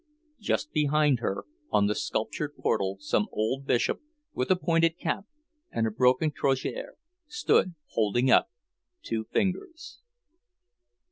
Just behind her, on the sculptured portal, some old bishop, with a pointed cap and a broken crozier, stood, holding up two fingers.